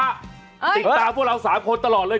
ติดตามพวกเรา๓คนตลอดเลย